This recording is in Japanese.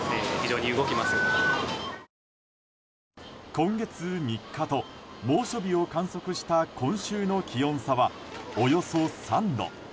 今月３日と猛暑日を観測した今週の気温差は、およそ３度。